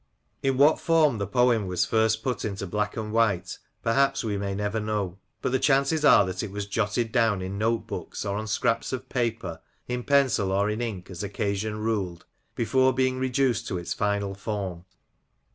" In what form the poem was first put into black and white perhaps we may never know ; but the chances are that it was jotted down in note books or on scraps of paper, in pencil or in ink as occasion ruled, before* being reduced to its finished form.